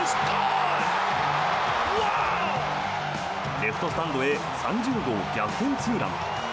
レフトスタンドへ３０号逆転ツーラン。